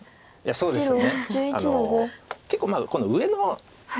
そうですね。